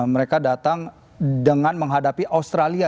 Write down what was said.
mereka datang dengan menghadapi australia